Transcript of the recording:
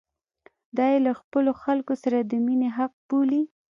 دا یې له خپلو خلکو سره د مینې حق بولي.